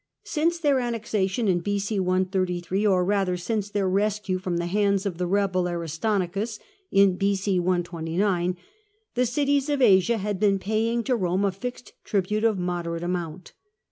Since their annexation in B.C. 133, or rather since their rescue from the hands of the rebel Aristonicus in B.o. 129, the cities of Asia had been paying to Eome a fixed tribute of moderate amount.